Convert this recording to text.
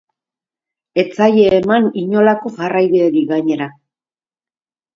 Ez zaie eman inolako jarraibiderik, gainera.